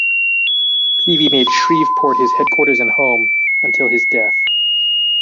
Peavy made Shreveport his headquarters and home until his death.